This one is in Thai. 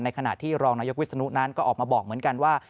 ขณะที่รองนายกวิศนุนั้นก็ออกมาบอกเหมือนกันว่า